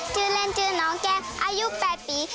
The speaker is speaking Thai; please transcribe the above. ชื่อเล่นชื่อน้องแก้มอายุ๘ปี